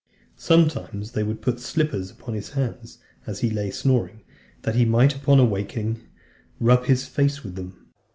Sometimes they would put slippers upon his hands; as he lay snoring, that he might, upon awaking, rub his face with them.